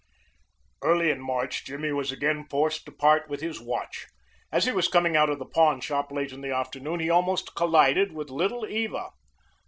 Early in March Jimmy was again forced to part with his watch. As he was coming out of the pawn shop late in the afternoon he almost collided with Little Eva.